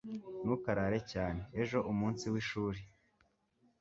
Ntukarare cyane. Ejo umunsi w'ishuri.